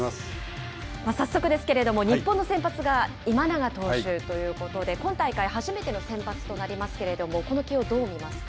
早速ですけれども、日本の先発が今永投手ということで、今大会初めての先発となりますけれども、この起用、どう見ますか？